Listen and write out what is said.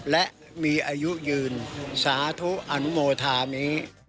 และมีอายุยืนสาธุอนุโมธามี